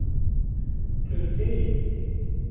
Tu têyî